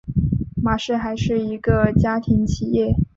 玛氏还是一个家庭企业。